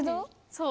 そう。